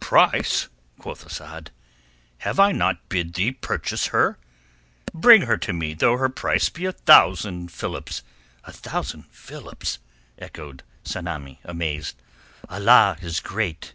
"Price?" quoth Asad. "Have I not bid thee purchase her? Bring her to me, though her price be a thousand philips." "A thousand philips!" echoed Tsamanni amazed. "Allah is great!"